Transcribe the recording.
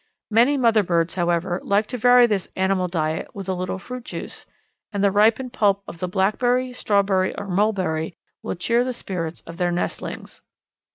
Many mother birds, however, like to vary this animal diet with a little fruit juice, and the ripened pulp of the blackberry, strawberry, or mulberry, will cheer the spirits of their nestlings.